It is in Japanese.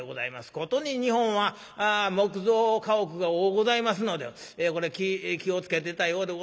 ことに日本は木造家屋が多うございますのでこれ気を付けてたようでございますな。